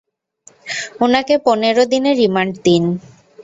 উনাকে পনের দিনের রিমান্ড দিন।